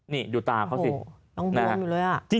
นี่ดูตามสิ